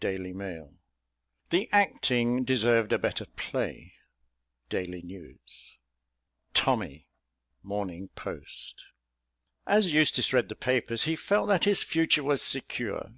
Daily Mail. "The acting deserved a better play." Daily News. "... Tommy ..." Morning Post. As Eustace read the papers he felt that his future was secure.